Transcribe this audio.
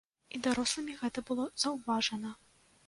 І дарослымі гэта было заўважана.